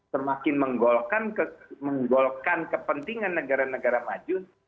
semakin menggolkan kepentingan negara negara maju